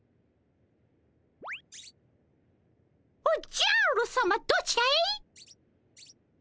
おっじゃるさまどちらへ？